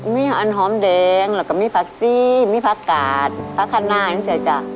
มีอันหอมแดงแล้วก็มีพักซี่มีพักกาดพักขนาดนี่เฉยจ้ะ